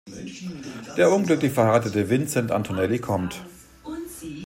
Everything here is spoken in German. Der unglücklich verheiratete Vincent Antonelli kommt.